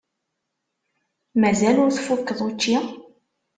Mazal ur tfukkeḍ učči?